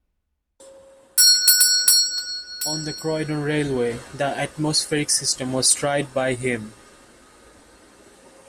On the Croydon Railway the atmospheric system was tried by him.